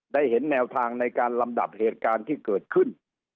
ได้เห็นแนวทางในการลำดับเหตุการณ์ที่เกิดขึ้น